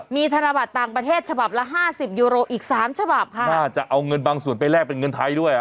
มีธนบัตรต่างประเทศฉบับละห้าสิบยูโรอีกสามฉบับค่ะน่าจะเอาเงินบางส่วนไปแลกเป็นเงินไทยด้วยอ่ะ